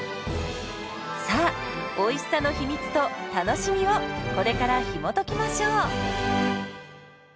さあおいしさの秘密と楽しみをこれからひもときましょう。